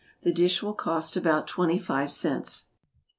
The dish will cost about twenty five cents.